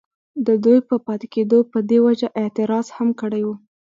ددوي پۀ پاتې کيدو پۀ دې وجه اعتراض هم کړی وو،